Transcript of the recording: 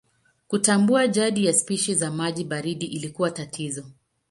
Kutambua jadi ya spishi za maji baridi ilikuwa tatizo.